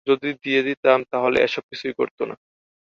যদি দিয়ে দিতাম, তাহলে এসব কিছুই ঘটত না।